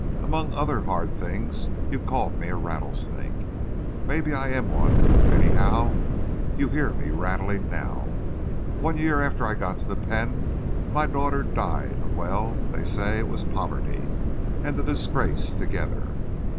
Among other hard things, you called me a rattlesnake. Maybe I am one—anyhow, you hear me rattling now. One year after I got to the pen, my daughter died of—well, they said it was poverty and the disgrace together.